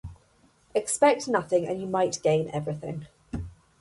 Expect nothing and you might gain everything.